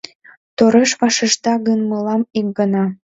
Тореш вашешта гын мылам ик гана